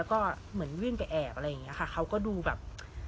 เขาก็ดูแบบ